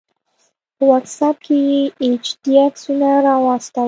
په واټس آپ کې یې ایچ ډي عکسونه راواستول